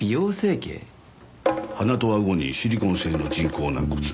鼻と顎にシリコン製の人工軟骨。